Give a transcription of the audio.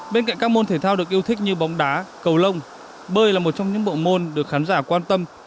bên cạnh các môn thể thao được yêu thích như bóng đá cầu lông bơi là một trong những bộ môn được khán giả quan tâm